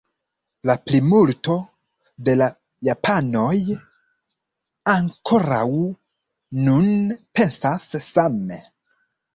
La plimulto de la japanoj ankoraŭ nun pensas same.